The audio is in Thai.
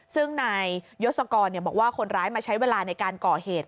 ซึ่งนายยศกรบอกว่าคนร้ายมาใช้เวลาในการก่อเหตุ